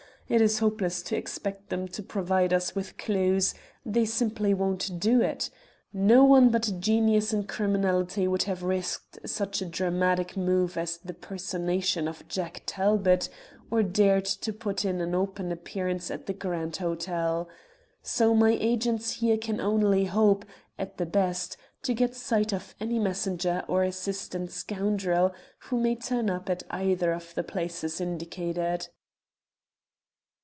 It is hopeless to expect them to provide us with clues; they simply won't do it. No one but a genius in criminality would have risked such a dramatic move as the personation of Jack Talbot, or dared to put in an open appearance at the Grand Hotel. So my agents here can only hope, at the best, to get sight of any messenger or assistant scoundrel who may turn up at either of the places indicated."